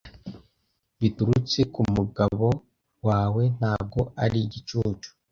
biturutse ku mugabo wawe ntabwo ari igicucu